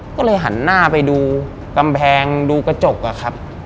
ก็เลยหันหน้าไปดูกำแพงดูกระจกอะครับ